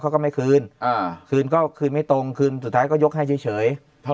เขาก็ไม่คืนคืนก็คืนไม่ตรงคืนสุดท้ายก็ยกให้เฉยเท่า